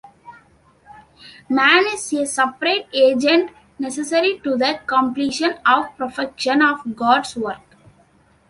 "Man is a separate agent, necessary to the completion or perfection of 'God's work'".